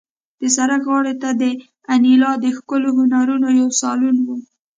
د سړک غاړې ته د انیلا د ښکلو هنرونو یو سالون و